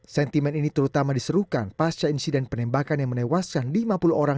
sentimen ini terutama diserukan pasca insiden penembakan yang menewaskan lima puluh orang